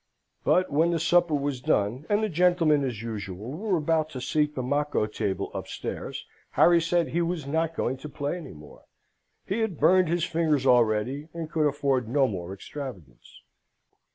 But when the supper was done, and the gentlemen, as usual, were about to seek the macco table upstairs, Harry said he was not going to play any more. He had burned his fingers already, and could afford no more extravagance.